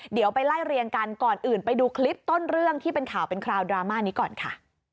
เดี๋ยวไปไล่เรียงกันก่อนอื่นไปดูคลิปต้นเรื่องที่เป็นข่าวเป็นคราวดราม่านี้ก่อนค่ะ